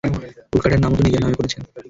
উল্কাটার নামও তো নিজের নামে করেছেন।